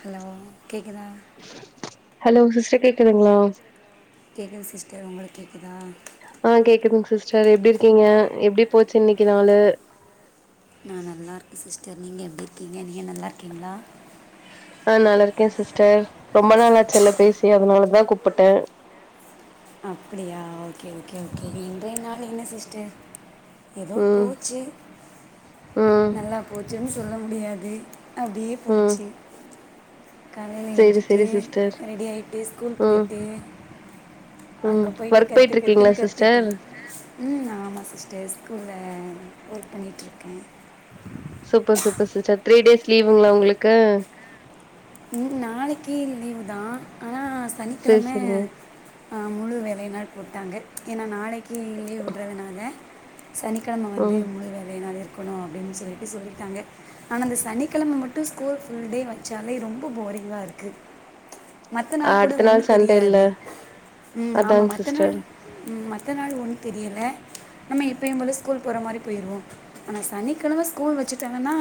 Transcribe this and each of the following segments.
Hello கேக்குதா hello sister கேக்குதுங்களா கேக்குது சிஸ்டர் உங்களுக் கேக்குதா ஆ கேக்குதுங் சிஸ்டர் எப்டி இருக்கீங்க எப்டி போச்சு இன்னிக்கி நாளு நா நல்லாருக்க சிஸ்டர் நீங்க எப்டி இருக்கீங்க நீங்க நல்லாருக்கீங்களா ஆ நல்லாருக்கே சிஸ்டர் ரொம்ப நாளாச்சுல்ல பேசி அதுனாலதா கூப்புட்டே அப்டியா ஒகே ஒகே ஒகே இன்றைய நாள் என்ன சிஸ்டர் எதோ ம் போச்சு ம் நல்லா போச்சுன் சொல்ல முடியாது அப்டியே ம் போச்சு காலைல சேரி எஞ்சிட்டு சேரி சிஸ்டர் ரெடி ஆய்ட்டு ஸ்கூல் ம் போய்ட்டு ம் ஒர்க் போய்ட்ருக்கீங்களா கற்றுன்னு கத்திட்டு சிஸ்டர் ம் ஆமா சிஸ்டர் ஸ்கூல்ல ஒர்க் பண்ணிட்ருக்கே super super sister three days லீவுங்களா உங்களுக்கு ம் ம் நாளக்கி லீவு தா ஆனா சேரி சனிக்கிழம சேரிங்க ஆ முழு வேலை நாள் போட்டாங்க ஏனா நாளக்கி லீவ் விட்றதுனால சனிக்கெழம வந்து ம் முழு வேல நாள் இருக் கோணு அப்டின் சொல்லிட்டு சொல்லிட்டாங்க ஆனா இந்த சனிக்கெழம மட்டு ஸ்கூல் ஃபுல் டே வச்சாலே ரொம் ரொம்போ போரிங்கா இருக்கு மத்த நாள் கூட அடுத்த ஒண்ணு சண்டே இல்ல தெரியாது ம் ஆமா அதாங்க மத்த நாள் சிஸ்டர் ம் மத்த நாள் ஒன்னு தெரியல நம்ம எப்பயு போல ஸ்கூல் போற மாரி போயிருவோ ஆனா சனிக்கெழம ஸ்கூல் வச்சுட்டாங்கன்னா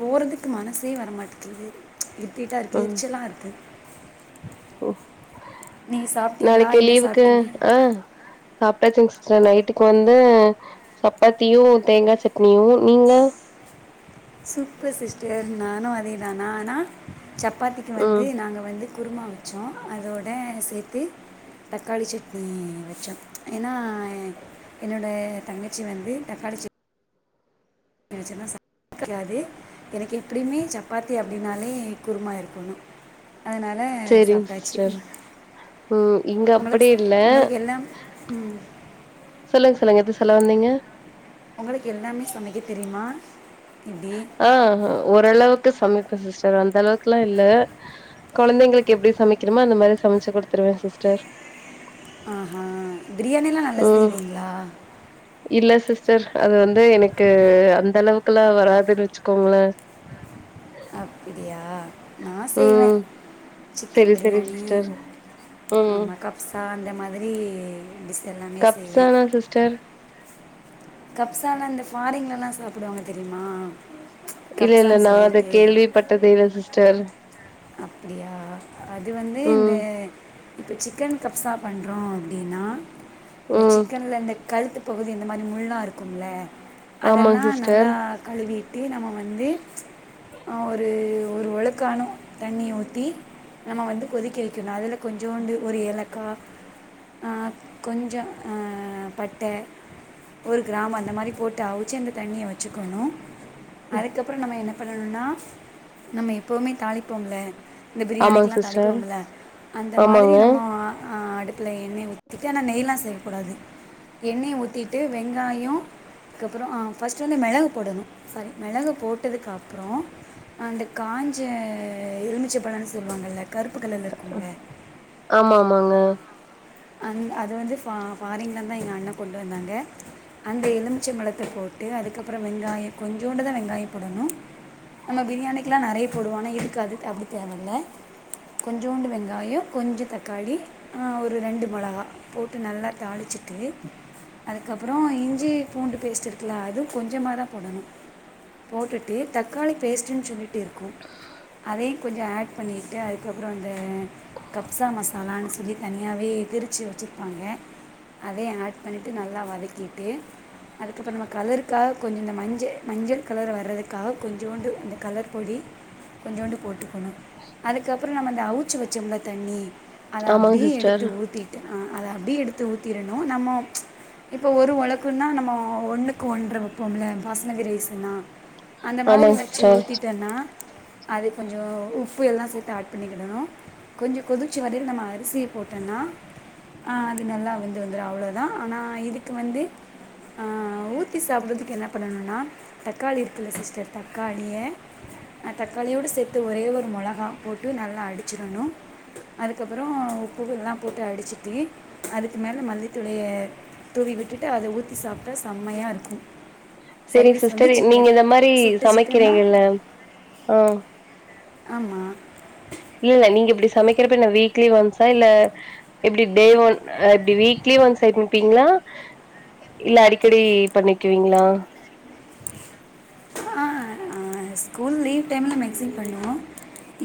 போறதுக்கு மனசே வரமாட்டேங்குது டார்க்கு எரிச்சலா இருக்கு ஒ நீங்கள் சாப்பிட்டீங்களா நாளக்கி என்ன லீவுக்கு சாப்பிட்டீங்க ஆ சாப்ட்டாச்சிங் சிஸ்டர் நைட்டுக் வந்து சப்பாத்தியு தேங்கா சட்னியு நீங்க சூப்பர் சிஸ்டர் நானு அதே தா நா ஆனா சப்பாத்திக்கு ம் வந்து நாங்க வந்து குருமா வச்சோ அதோட சேத்து தக்காளி சட்னி வச்சோ ஏனா என்னோட தங்கச்சி வந்து தக்காளி சட் னி வச்சாதா [inaudible] கெடையாது எனக்கு எப்டியுமே சப்பாத்தி அப்டின்னாலே குருமா இருக்கோணு அதனால சேரிங் சாப்ட்டாச்சி சிஸ்டர் ம் இங்க அப்படி உங்களுக்கு ஸ் இல்ல உங்களுக்கு எல்லாம் ம் சொல்லுங்க சொல்லுங்க எதோ சொல்ல வந்தீங்க உங்களுக்கு எல்லாமே சமைக்க தெரியுமா எப்டி ஆ ஓரளவுக்கு சமைப்பே சிஸ்டர் அந்தளவுக்குலா இல்ல கொழந்தைங்களுக்கு எப்டி சமைக்கிறோமோ அந்த மாரி சமச்சி குடுத்துருவே சிஸ்டர் ஆஹ பிரியாணிலா நல்லா ம் செய்வீங்களா இல்ல சிஸ்டர் அது வந்து எனக்கு அந்த அளவுக்குலா வராதுனு வச்சுகோங்கள அப்பிடியா நா செய்வே ம் சிக்கன் செரி செரி பிரியாணி சிஸ்டர் ம் ஆமா கப்சா அந்த மாதிரி டிஸ் கப்சானா சிஸ்டர் கப்சானா அந்த ஃபாரிங்லலா சாப்புடுவாங்க தெர்ய்மா இல்லல்ல நா அத கேள்விபட்டதே இல்ல‌சிஸ்டர் அப்டியா அது வந்து இந்த ம் இப்ப சிக்கன் கப்ஸா பண்றோ அப்டினா இந்த ம் சிக்கன்ல இந்த கழுத்து பகுதி இந்த மாரறிஸமுள்ளாருக்கும்ல ஆமாங் அதெல்லா சிஸ்டர் நல்லா கழுவீட்டு நாம வந்து ஆ ஒரு ஒரு ஒழக்கானு தண்ணி ஊத்தி நம்ம வந்து கொதிக்க வக்கிணு அதுல கொஞ்சூண்டு ஒரு ஏலக்கா ஆ கொஞ்ச ஆ பட்ட ஒரு கிராம்பு அந்த மாறி போட்டு ஆவுச்சி அந்த தண்ணிய வச்சுக்கணு அதுக்கப்ற நம்ம என்ன பண்ணணுனா நம்ம எப்பவ்மே தாளிப்போம்ல இந்த ஆமாங் பிரியாணினக்கெலாம் சிஸ்டர் தாளிப்போமல அந்த மாறி ஆமாங்க நம்ம அடு த்தில எண்ணெய் ஊத்திட்டு ஆனா நெய்லாம் சேக்கக்கூடாது எண்ணெயை ஊத்திட்டு வெங்காயம் அதுக்கப்புறம் ஆ ப ஃபர்ஸ்ட் வந்து மிளகு போடணும் சாரி மிளகு போட்டதுக்கப்புறம் அந்த காஞ்ச எலுமிச்ச பழம்ன்னு சொல்லுவாங்கல்ல கருப்பு கலர்ல்ல இருக்குமே ஆமா ஆமாங்க அங் அது வந்து ஃபாரின்ல தா எங்க அண்ணே கொண்டு வந்தாங்க அந்த எலுமிச்சை பழத்த போட்டு அதுக்கப்புறம் வெங்காயம் கொஞ்சோண்டு தா வெங்காயம் போடணும் நம்ம பிரியாணிக்கெல்லாம் நெறைய போடுவா ஆனா இதுக்கு அது தேவல கொஞ்சோண்டு வெங்காயம் கொஞ்சம் தக்காளி அ ஒரு ஒரு ரெண்டு மிளகா போட்டு நல்லா தாளிச்சிட்டு அதுக்கப்புறம் இஞ்சி பூண்டு பேஸ்ட் இருக்குலா அதும் கொஞ்சமா தா போடணும் போட்டுட்டு தக்காளி பேஸ்ட்ன்னு சொல்லிட்டு இருக்கும் அதையும் கொஞ்சம் ஆட் பண்ணிக்கிட்டு அதுக்கப்புறம் அந்த கப்சா மசாலான்னு சொல்லி தனி வே விருச்சி வச்சுருப்பாங்க அதேயு ஆட் பண்ணிவிட்டு நல்லா வதக்கிட்டு அதுக்கப்புறம் நம்ம கலருக்காக கொஞ்சம் இந்த மஞ்சள் மஞ்சள் கலர் வரதுக்காக கொஞ்சோண்டு இந்த கலர் பொடி கொஞ்சோண்டு போட்டுக்கணும் அதுக்கப்புறம் நம்ம அந்த அவுச்சி வச்சோமுல்ல தண்ணி அத ஆமாங் அப்டியே எடுத்து சிஸ்டர் ஊத்திட்டு் அத அப்டியே எடுத்து ஊத்திடணும் நம்ம இப்ப ஒரு ஒளக்குன்னா நம்ம ஒண்ணுக்கு ஒன்றை வைப்போம்ல பாஸ்மதி ரைஸ்ன்னா அந்த மாதிரி ஆமாங் வச்சி சிஸ்டர் ஊத்திட்டேன்னா அது கொஞ்சம் உப்பு எல்லாம் சேத்து ஆட் பண்ணிக்கிடணும் கொஞ்சம் கொதிச்ச வரயில நம்ம அரிசி போட்டேனா அது நல்லா வந்து வந்துரும் அவ்ளோ தான் ஆனா இதுக்கு வந்து ஆ ஊத்தி சாப்பட்றதுக்கு என்ன பண்ணணும்னா தக்காளி இருக்குல்ல சிஸ்டர் தக்காளிய தக்காளியோடு சேத்து ஒரே ஒரு மொளகா போட்டு நல்லா அடிச்சிடணும் அதுக்கப்புறம் உப்பு எல்லாம் போட்டு அடிச்சிட்டு அதுக்கு மேல மல்லித்தளைய தூவி விட்டுட்டு அத ஊத்தி சாப்பிட்டா செம்மையா இருக்கும் செரி சைடிஷ் வந்து சிஸ்டர் நீங்க சிக்கன் இந்த மாறி சுட்ட சமைக்கிறீங்கல்ல ஆ ஆமா இல்ல இல்ல நீங்க இப்படி சமைக்கிறப்ப வீக்லி ஒன்ஸா இல்ல எப்படி டே ஒன் எப்படி வீக்லி ஒன்ஸ் சமைப்பீங்களா இல்ல அடிக்கடி பண்ணிக்குவீங்களா ஆ ஸ்கூல் லீவ் டைமில் மேக்சிம் பண்ணுவோம்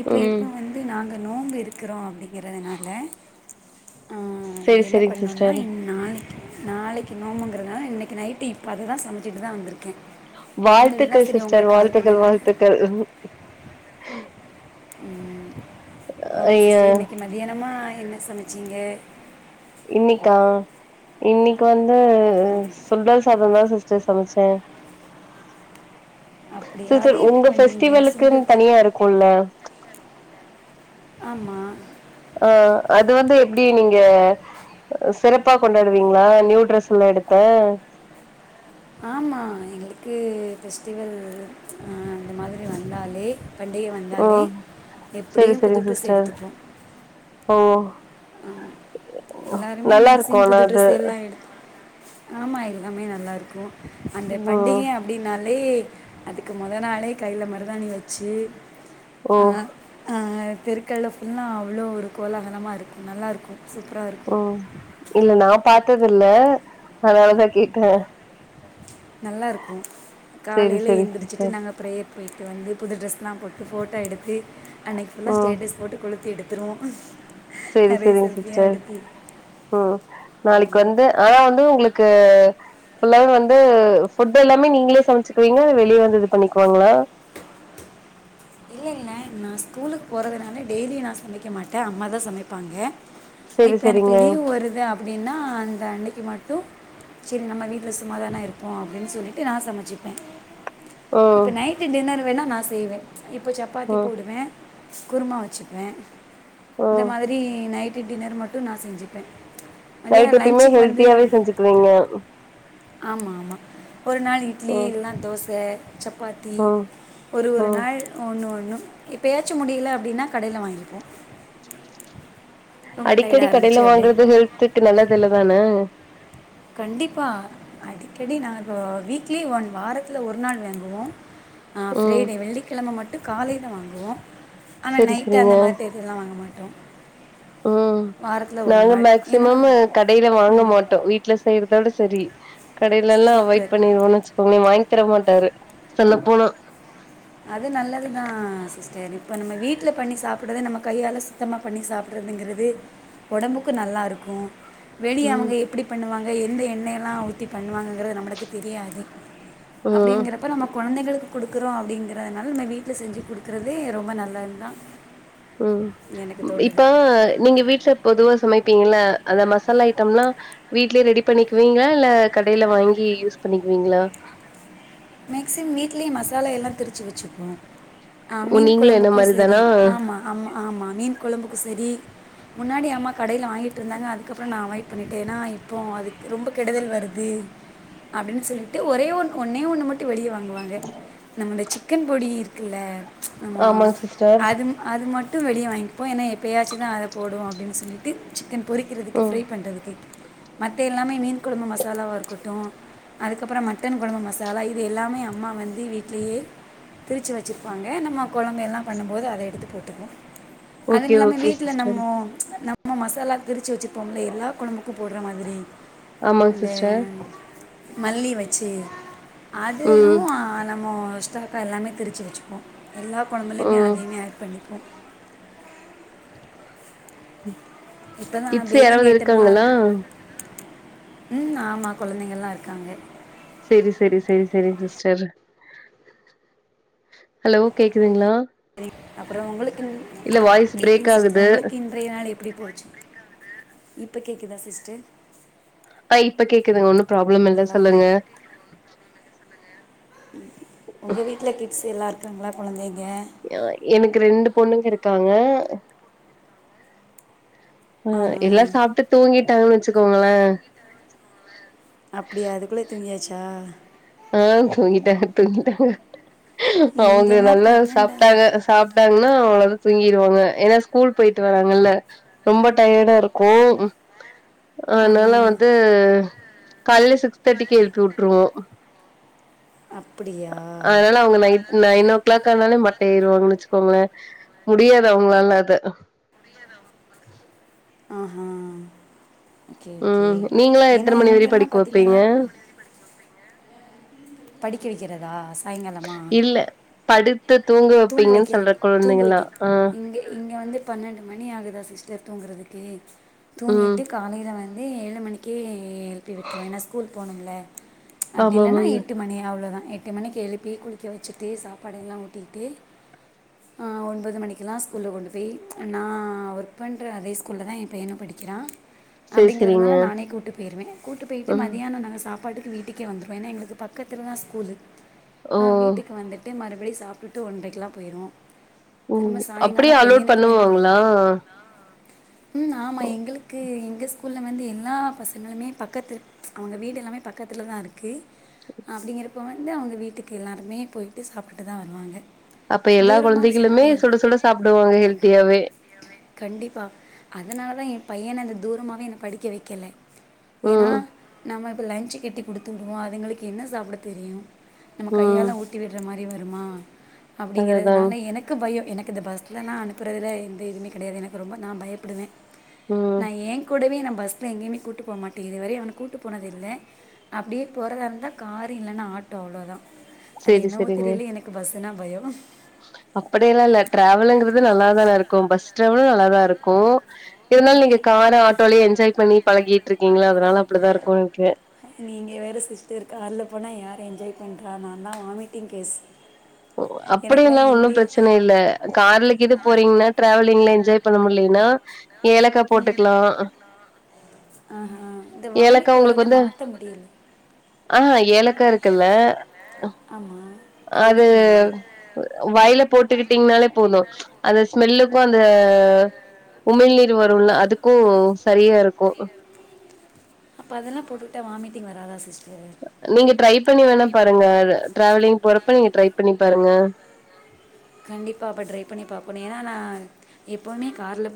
இப்ப இப்ப ம் வந்து அது நாங்க நோம்பு இருக்கறோம் அப்படிங்கிறதுனால அ செரி என்ன செரிங் பண்ணும்னா சிஸ்டர் இன் நாளைக்கு நாளைக்கு நோம்புகுங்கிறதுதுனால இன்னைக்கு நைட்டு இப்போ அததா சமைச்சிட்டு வந்திருக்கே வாழ்த்துக்கள் சிஸ்டர் வாழ்த்துக்கள் பண்ணலான்னு வாழ்த்துக்கள் ம் ஓகே சிஸ்டர் ஐய இன்னைக்கி மத்தியனமா என்ன சமச்சிங்க இன்னிக்கா இன்னிக்கு வந்து சுண்டல் சாதம் தான் சிஸ்டர் சமச்ச அப்படி செர் அது செர் எப்படி உங்க பெஸ்டிவலுக்குன்னு தனியா இருக்கும்ல்ல ஆமா ஆ அது வந்து எப்டி நீங்க சிறப்பா கொண்டாடுவீங்களா நியூட்ரெஸ்ல்லாம் எடுத்து ஆமா எங்களுக்கு ஃபெஸ்ட்டிவல் ஆ இந்த மாரி வந்தாலே பண்டிகை வந்தாலே ம் செரி எப்டியும் புது செரிங்க டிரெஸ் சிஸ்டர் எடுத்துப்போம் ஓ ஆ எல்லாருமே நல்லா இருக்கு மேக்சிங் ஆனா புது அது ட்ரெஸ் எல்லாம் எடுத்து ஆமா எல்லாமே நல்லாருக்கும் அந்த ம் பண்டிகைய அப்டின்னாலே அதுக்கு மொத நாளே கைல மருதாணி வச்சு ஓ அ ஆ தெருக்கல்லாம் ஃபுல்லா அவ்ளோ ஒரு கோலாகலமா இருக்கும் நல்லாயிருக்கும் சூப்பரா இருக் ஓ இல்ல நா பாத்தது இல்ல அதனாலதான் கேட்ட நல்லாயிருக்கும் செரி காலைல செரி ஏன்த்திரிச்சிட்டு சிஸ்டர் நாங்க பிரேயர் போய்ட்டு வந்து புது ட்ரெஸ்லாம் போட்டு ஃபோட்டோ எடுத்து அன்னைக்கு ஃபுல்லா ம் ஸ்டேட்டஸ் போட்டு கொளுத்தி எடுத்துருவோம் சேரி நிறைய சேரிங்க செல்ஃபியாக சிஸ்டர் எடுத்து ஓ நாளைக்கு வந்து நா வந்து உங்களுக்கு ஃபுல்லா வந்து ஃபுட் எல்லாமே நீங்களே சமைச்சுக்குவீங்களா வெளியே வந்து இது பண்ணிக்குவாங்களா இல்லைகளே நான் ஸ்கூலுக்கு போறதுனால டெய்லி நான் சமைக்க மாட்டேன் அம்மா தான் சமைப்பாங்க செரி இப்ப எனக்கு செரிங்க லீவ் வருது அப்டின்னா அந்த அன்னைக்கு மட்டும் சேரி நம்ம வீட்ல சும்மாதானா இருப்போம் அப்டின்னு சொல்லிட்டு நான் சமைச்சிப்பேன் ம் இப்ப நைட்டு டின்னர் வேணா நான் செய்வேன் இப்ப சப்பாத்தி ம் போடுவேன் குருமா வச்சுப்பேன் இந்த ம் மாதி ரி நைட்டு டின்னர் மட்டும் நான் செஞ்சுப்பேன் நைட் மதியானம் எப்பயுமே லஞ்சுக்கு ஹெல்தியாவே செஞ்சுக்குவீங்க ஆமா ஆமா ஒரு நாள் இட்லி ம் இல்லனா தோச சப் சப்பாத்தி ம் ஒரு ஒரு ம் நாள் ஒன்னு ஒன்னு இப்போ ஏதாச்சும் முடியல அப்டின்னா கடையில வாங்கிப்போம் ரொம்ப அடிக்கடி டயர்டாக இருந்துச்சு கடையில அப்படியே வாங்குறது ஹெல்த்க்கு நல்லது இல்ல தானே கண்டிப்பா அடிக்கடி நா இப்போ வீக்லி ஒன் வாரத்துல ஒரு நாள் வாங்குவோம் ஆ ம் ஃப்ரைடே வெள்ளிக்கிழமை மட்டும் காலையில வாங்குவோம் ஆனா செரி நைட்டு செரிங்க அந்த மாதிரி இதெல்லா வாங்க மாட்டோம் ஓ வாரத்தில் ஒரு நாங்க நாள் ஏன்னா மேக்சிமம் கடைல வாங்க ம் மாட்டோம் வீட் வீட்ல செய்யறதோட சரி கடையில எல்லாம் அவாய்ட் சூப்பர் பண்ணிருவோம் வச் ஒனனு வாங்கி தர மாட்டாரு சொல்ல போனா அது நல்லது தான் சிஸ்டர் இப்போ நம்ம வீட்ல பண்ணி சாப்பிடறத நம்ம கையால சுத்தமா‌ பண்ணி சாப்பிடறதுங்கிறது உடம்புக்கு நல்லா இருக்கும் வெளியே ம் அவங்க எப்டி பண்ணுவாங்க எந்த எண்ணெய்லா ஊத்தி பண்ணுவாங்கங்குறது நம்மளுக்கு தெரியாது ம் அப்டிங்கறப்ப நம்ம குழந்தைகளுக்கு குடுக்குறோம் அப்டிங் அதனால நா வீட்ல செஞ்சு குடுக்குறதே ரொம்ப நல்லது தான் ம் எனக்கு இப்போ தோணுது நீங்க வீட்ல பொதுவா சமைப்பீங்கள அந்த மசாலா ஐட்டம்ல்லா வீட்லே ரெடி பண்ணிக்குவீங்களா இல்ல கடையில வாங்கி யூஸ் பண்ணிக்குவீங்களா மேக்ஸிம் வீட்லே மசாலா எல்லா திருச்சு வச்சுக்குவோ ஆ ஓ! மீன் நீங்களும் என்ன கொழம்புக்கு மாரி செரி தானா? ஆமா ஆமா ஆமா மீன் குழம்புக்கு செரி முன்னாடி அம்மா கடையில வாங்கிட்டு இருந்தாங்க அதுக்கப்புறோ நா அவாய்ட் பண்ணிடே எனா இப்போ அதுக்கு ரொம்ப கெடுதல் வருது அப்டினு சொல்லிட்டு ஒரே ஒன்னே ஒன்னு மட் டு வெளிய வாங்குவாங்க நம்மட சிக்கன் பொடி இருக்குல்ல நம்மோ ஆமாங் சிஸ்டர். அதுவு அது மட்டு வெளிய வாங்கிப்போ ஏனா எப்பயாச்சு தா அத போடுவோ அப்டினு சொல்லிட்டு சிக்கன் பொறிக்கிறதுக்கு ம். ஃப்ரை பண்ணுறதுக்கு மத்த எல்லாமே மீன் கொழம்பு மசாலாவா இருக்கட்டு அதுக்கப்புறோ மட்டன் கொழம்பு மசாலா இது எல்லாமே அம்மா வந்து வீட்லேயே திருச்சு வச்சிருப்பாங்க நம்ம குழம்ப எல்லா பண்ணும்போது அத எடுத்து போட்டுக்குவோ ஓகே, அதுவு இல்லாம ஓகே வீட்ல சிஸ்டர். நம்மோ நம்ம மசாலா திரிச்சு வச்சுருப்போம்ல எல்லா கொழம்பு உப்பு போடுற மாதிரி ஆமாங் அந்த சிஸ்டர். மல்லி வச்சு அதுவு ம், நம்ம ஸ்டாக்கா எல்லாமே திருச்சு வச்சுப்போ எல்லா கொழம்புலையுமே ம். அதையுமே ஆட் பண்ணிப்போ இப்போ தான் கிட்ஸ் பேக்கிங் யாராவுது ஐட்டம்லாம் இருக்காங்களா இருக்கும் ம் ஆமா குழந்தைங்கள்லா இருக்காங்க செரி செரி செரி செரிங்க சிஸ்டர் ஹலோ கேக்குதுங்களா அதே அப்புறோ உங்களுக்கு இல்ல வாய்ஸ் பிரேக் ஆகுது அறை நாள் எப்டி போச்சு இப்ப கேக்குதா சிஸ்டர் ஆ இப்ப கேக்குதுங்க ஒன்னு ப்ராப்ள மில்ல ஹலோ சொல்லுங்க ஒங்க வீட்டுல கிட்ஸ் எல்லா இருக்காங்களா குழந்தைங்க ஆ எனக்கு ரெண்டு பொண்ணுங்க இருக்காங்க ஆ ஆஹா எல்லா சாப்ட்டு தூங்கிட்டாங்கனு வச்சுக்கோங்களே அப்டியா அதுக்குள்ளே தூங்கியாச்சா ஆ தூங்கிட்டாங்க தூங்கிட்டாங்க அவுங்க இங்கெல்லாம் நல்லா பன்னெண்டா சாப்ட்டாக சாப் விட்டாங்ன்னா அவளது தூங்கிருவாங்க ஏன்னா ஸ்கூல் போயிட்டு வராங்கல்ல ரொம்ப டயடா இருக்கு ஆனால ஆஹா வந்து கால்லே சிக்ஸ் தேட்டிக்கு எழுப்பி வுட்டுருவோ அப்புடியா அதனால அவுங்க நைட் நைன் ஓ கிளாக் ஆனாலே மட்ட ஆயிருவாங்கன்னு வச்சுக்கோங்களே முடியாது அவங்களால அத ஆஹா ஓகே ஓகே ம் நீங்களா ஏனா எத்தன மணி வரையு இங்கன்னா படிக்க பாத்தீங்கன்னா வைப்பீங்க படிக்க வெக்கிறதா ஸ் இல்ல படுத்து தூங்க வெப்பீங்கன்னு வைக்கிறது சொல்ற தூங்க குழந்தைங்கல்ளா வைக்க ஆ இங்கே இங்க வந்து பன்னெண்டு மணி ஆகுதா சிஸ்டர் தூங்குறதுகு ம் தூங்கிட்டுட் காலயில வந்து ஏழு மணிக்கே எழுப்பி விட்ருவோ ஏனா ஸ்கூல் போகணுள அப்டி இல்லனா ஆமாமாங்க. எட்டு மணி அவ்ளோதா எட்டு மணிக்கு எழுப்பி குளிக்க வச்சுட்டு சாப்பாடுல்லா ஊட்டி டே ஒன்பது மணிக்கெலா ஸ்கூல கொண்டு போய் நா ஒர்க் பண்ணுற அதே ஸ்கூல்ல தா எ பையனு படிக் கிறா சரி, சரிங்க. அப்டிங்கிறதுனால நானே கூட்டு போய்ருவே கூடாடு போயிட்டு ம். மாதியானோ நாங்க சாப் படுக்க வீட்டுக்கே வந்துருவோ ஏனா எங்களுக்கு பக்கத்திலதா ஸ்கூலு ஓ! வீட்டுக்கு வந்துட்டு மறுபடியு சாப்பு ட்டு ஒன்றரைக்கெலா போயிருவோ ஓ அப்டியே அலோட் பண்ணுவாங்களா ம் ஆமா எங்களுக்கு எங்க ஸ்கூல்லல் வந்து எல்லா பசங்களுமே பக்கத்தில் அவங்க வீடு எல்லாமே பக்கத்தில் தா இருக்கு அப்டிங்கிறப்ப வந்து அவங்க வீட்டுக்கு எல்லாருமே போயிட்டு சாப்ட்டுட்டு தா வருவாங்க அப்ப எல்லா தூரமாக குழந்தைகளுமே சுட சுட சாப்பிடுவாங்க ஹெல்தியாவே கண்டிப்பா அதனாலதா ஏ பையன அந்த தூரமாவே நா படிக்க வைக்கல ஏன்னா ம், நம்ம இப்போ லன்ச் கட்டி கொடுத்து விடுவோ அதுங்களுக்கு என்ன சாப்பிட தெரியு நம்ம ம். கையால ஊட்டி விடுற மாரி வருமா அதேதாங்க. அப்டிங்கறதுனால எனக்கு எனக்கு பயோ எனக்கு இந்த பஸ்ஸிலலா அனுப்புறதுல எந்த இதுமே கெடையாது எனக்கு ரொம்ப நா பயப்படுவே ம். நா ஏ கூடவே நா பஸ்ல எங்கயுமே கூட்டு போமாட்டே இதுவரையு அவன கூப்பட்டு போனது இல்லை அப்டியே போறதா இருந்தா காரு இல்லன்னா ஆட்டோ அவ்ளோதா அது சரி, என்னவோ தெரியல எனக்கு பஸ்ஸுனா பயோ அப்டி எல்லா இல்ல டிராவலுங்கறது நல்லாதா இருக்கு பஸ் டிராவலு நல்லாதா இருக்கு இருந்தாலு நீங்க கார் இருந்தாலும் ஆட்டோலயே என்ஜாய் பண்ணி பழகிட்டு இருக்கீங்கல்ல அதனால அப்டிதா இருக்கு நினைக்கிறே நீங்க வேற சிஸ்டர் கார்ல போனா யாரு என்ஜாய் பண்றா நால்லா வாமிட்டிங் கேஸ் ஓ அப்டியல்லா எனக்கெல்லாம் ஒன்னு எங்கே பிரச்சனை இல்ல கார்ல கீது போறீங்கன்னா டிராவலிங்ல என்ஜாய் பண்ண முடியலனா ம் ஆ இந்த வாமிட்டு ஏலக்கா வரத உங்களுக்கு வந்து மாத்த முடியல ஆ ஏலக்கா இருக்குல்ல ஆமாம் என்ன அது பண்ணணும் அது வாய்ல போட்டுக்கிட்டீங்கன்னாலே போது அந்த ஸ்மெல்லுக்கு அந்த உமிழ் நீர் வருல்ல அதுக்கு சரியா இருக்கும் அப்போ அதெல்லா போட்டுக்கிட்டா வாமிட்டங் வராதா சிஸ்டர் நீங்க ட்ரை பண்ணி வேணா பாருங்க டிராவலிங் போறப்ப நீங்க ட்ரைப் பண்ணி பாருங்க கண்டிப்பா அப்போ ட்ரைப் பண்ணி பாப்போம் ஏன்னா நா எப்போவுமே கார்ல்ல